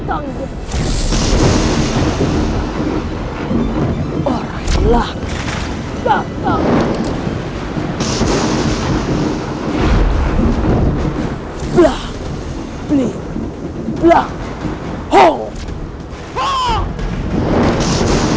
dan juga matilah siapa yang interfere di perjalanan saya ini